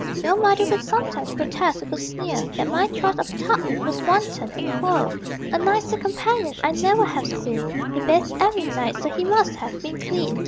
Though mother would sometimes protest with a sneer That my choice of a tub mate was wanton and queer, A nicer companion I never have seen: He bathed every night, so he must have been clean.